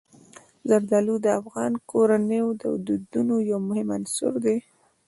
زردالو د افغان کورنیو د دودونو یو مهم عنصر دی.